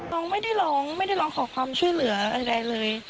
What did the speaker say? น้องไม่ได้ร้องไม่ได้ร้องขอความช่วยเหลือใดเลย